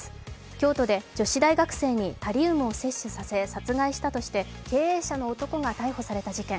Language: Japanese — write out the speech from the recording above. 京都で女子大学生にタリウムを摂取させ殺害したとして経営者の男が逮捕された事件。